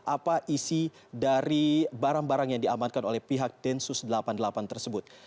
apa isi dari barang barang yang diamankan oleh pihak densus delapan puluh delapan tersebut